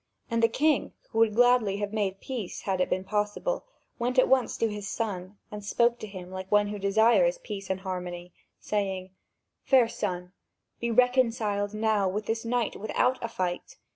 And the king, who would gladly have made peace, had it been possible, went at once to his son and spoke to him like one who desires peace and harmony, saying: "Fair son, be reconciled now with this knight without a fight!